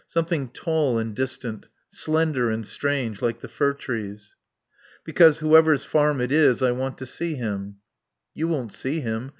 Something tall and distant; slender and strange, like the fir trees. "Because whoever's farm it is I want to see him." "You won't see him.